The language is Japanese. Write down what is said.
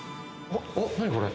何これ？